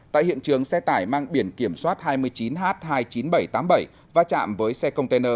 tại hiện trường xe tải mang biển kiểm soát hai mươi chín h hai mươi chín nghìn bảy trăm tám mươi bảy va chạm với xe container